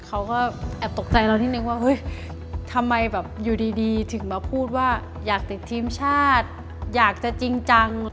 เขาก็แอบตกใจเรานิดนึงว่าเฮ้ยทำไมแบบอยู่ดีถึงมาพูดว่าอยากติดทีมชาติอยากจะจริงจัง